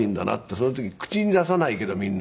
その時口に出さないけどみんな。